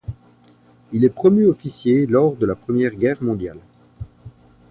Il est promu officier lors de la Première Guerre mondiale.